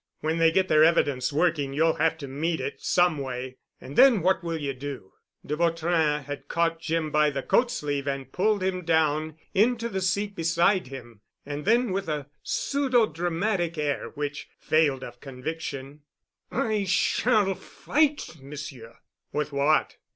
When they get their evidence working you'll have to meet it, someway. And then what will you do?" De Vautrin had caught Jim by the coatsleeve and pulled him down into the seat beside him. And then with a pseudo dramatic air which failed of conviction, "I shall fight, Monsieur." "With what?"